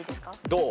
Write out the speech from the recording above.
どう？